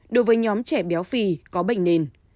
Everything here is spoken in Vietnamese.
đối với nhóm trẻ béo phì có bệnh nền